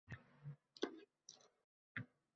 Ayollar koʻpchilikni tashkil etadi